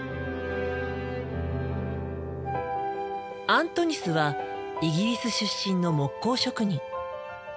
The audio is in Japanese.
アントニスはイギリス出身の木工職人。